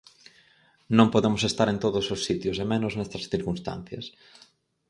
Non podemos estar en todos os sitios e menos nestas circunstancias.